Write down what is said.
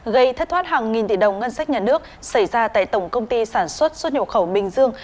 gây thất thoát hàng nghìn tỷ đồng ngân sách nhà nước xảy ra tại tổng công ty sản xuất xuất nhập khẩu bình dương